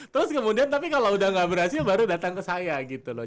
terus kemudian tapi kalau udah gak berhasil baru datang ke saya gitu loh